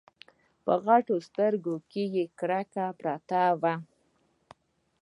په غټو سترګو کې يې کرکه پرته وه.